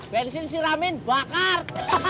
bensin siramin bakar